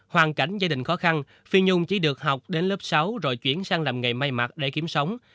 hoàn cảnh gia đình khó khăn phi nhung chỉ được học đến lớp sáu rồi chuyển sang làm nghề may mặt để kiếm sống